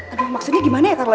aduh maksudnya gimana ya tarla